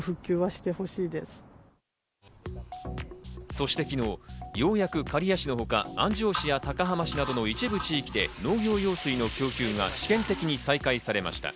そして昨日、ようやく刈谷市のほか安城市や高浜市などの一部地域で農業用水の供給が試験的に再開されました。